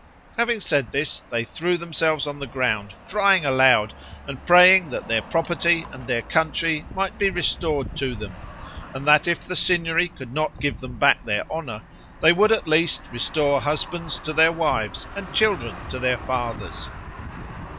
Having said this they threw themselves on the ground, crying aloud, and praying that their property and their country might be restored to them; and that if the Signory could not give them back their honor, they would, at least, restore husbands to their wives, and children to their fathers.